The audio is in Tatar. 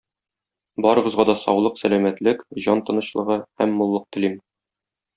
Барыгызга да саулык-сәламәтлек, җан тынычлыгы һәм муллык телим.